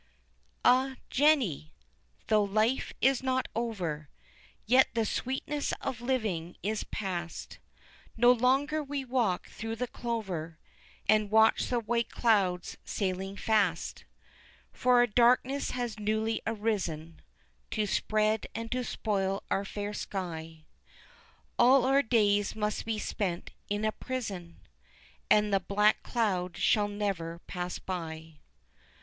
Ah! Jenny! though life is not over, Yet the sweetness of living is past; No longer we walk through the clover And watch the white clouds sailing fast; For a darkness has newly arisen To spread and to spoil our fair sky, All our days must be spent in a prison And the black cloud shall never pass by.